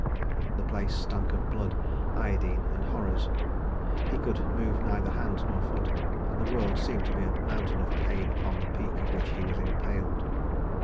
The place stunk of blood, iodine and horrors. He could move neither hand nor foot, and the world seemed to be a Mountain of Pain upon the peak of which he was impaled.